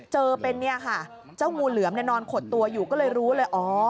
เจอเป็นเจ้ามูเหลือมเนี่ยนอนขดตัวอยู่ก็เลยรู้เลย